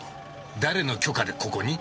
誰の許可でここに？